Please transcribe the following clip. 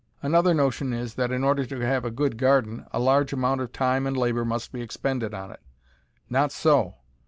Another notion is, that in order to have a good garden a large amount of time and labor must be expended on it. Not so.